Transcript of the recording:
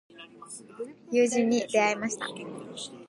友人に出会いました。